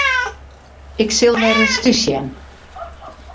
Ik sil wer ris thús sjen.